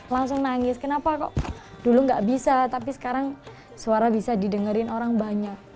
langsung nangis kenapa kok dulu nggak bisa tapi sekarang suara bisa didengerin orang banyak